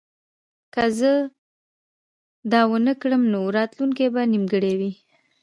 که زه دا ونه کړم نو راتلونکی به نیمګړی وي